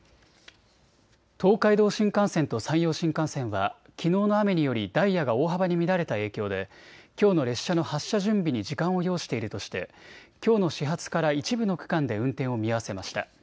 東海道新幹線と山陽新幹線はきのうの雨によりダイヤが大幅に乱れた影響できょうの列車の発車準備に時間を要しているとしてきょうの始発から一部の区間で運転を見合わせました。